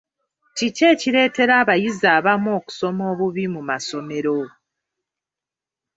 Kiki ekireetera abayizi abamu okusoma obubi mu amasomero?